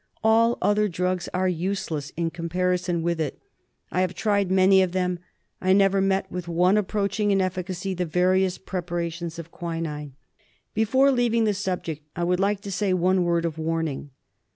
All other drugs are useless in comparison with it. I have, tried many of them ; I never met with one approaching in efficacy the various preparations of quinine. Before leaving the subject, I would like to say one word of warning.